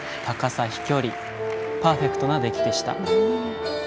高さ、飛距離パーフェクトな出来でした。